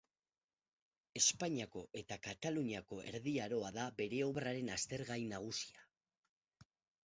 Espainiako eta Kataluniako Erdi Aroa da bere obraren aztergai nagusia.